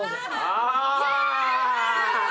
ああ！